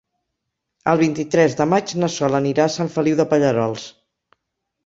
El vint-i-tres de maig na Sol anirà a Sant Feliu de Pallerols.